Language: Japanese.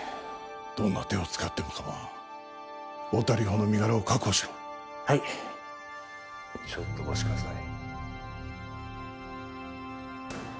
どんな手を使っても構わん太田梨歩の身柄を確保しろはいちょっとお待ちください